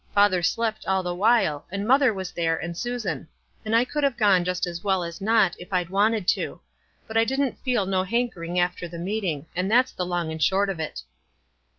Father slept all the while, and mother was there, and Susan ; and I could have gone just as well as not, if I'd wanted to ; but I didn't feel no hankering after the meeting — and that's the long and short of it."